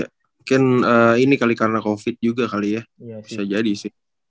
mungkin ini kali karena covid juga kali ya bisa jadi sih